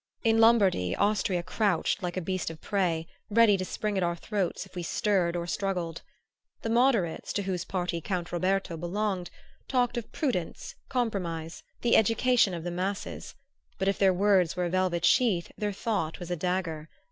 In Lombardy, Austria couched like a beast of prey, ready to spring at our throats if we stirred or struggled. The Moderates, to whose party Count Roberto belonged, talked of prudence, compromise, the education of the masses; but if their words were a velvet sheath their thought was a dagger.